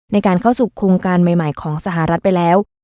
ในการเข้าสู่โครงการใหม่ของสหรัฐไปแล้ว